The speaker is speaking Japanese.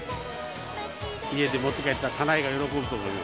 家に持って帰ったら家内が喜ぶと思います。